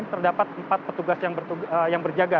terdapat empat petugas yang berjaga